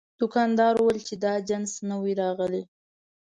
دوکاندار وویل چې دا جنس نوی راغلی.